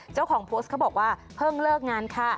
เจ้าของโพสต์เขาบอกว่าเพิ่งเลิกงานค่ะ